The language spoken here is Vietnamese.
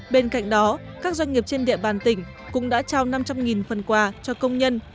bên cạnh đó các doanh nghiệp trên địa bàn tỉnh cũng đã trao năm trăm linh phần quà cho công nhân